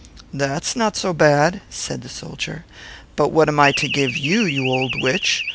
"This is not a bad story," said the soldier; "but what am I to give you, you old witch?